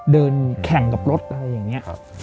เดินแข่งกับรถอะไรอย่างนี้